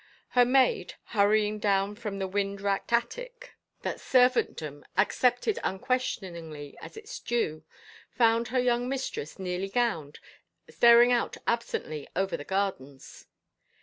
... Her maid, hurrying down from the wind racked attic 114 SECOND THOUGHTS that servantdom accepted unquestioningly as its due, found her young mistress, nearly gowned, staring out absently over the gardens.